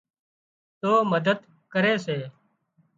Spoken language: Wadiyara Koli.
تو مدد ڪري سي